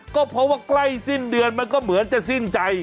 ก็เพราะว่าใกล้สิ้นเดือนมันก็เหมือนจะสิ้นใจ